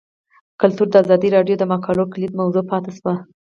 کلتور د ازادي راډیو د مقالو کلیدي موضوع پاتې شوی.